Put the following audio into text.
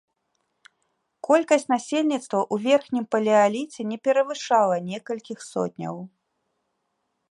Колькасць насельніцтва ў верхнім палеаліце не перавышала некалькіх сотняў.